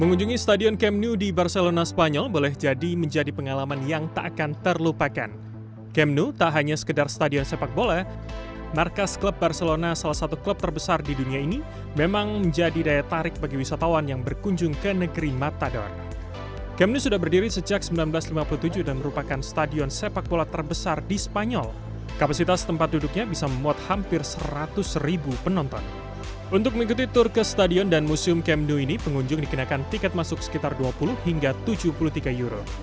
untuk mengikuti tur ke stadion dan museum kemnu ini pengunjung dikenakan tiket masuk sekitar dua puluh hingga tujuh puluh tiga euro